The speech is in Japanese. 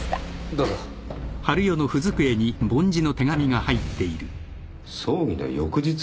どうぞ葬儀の翌日？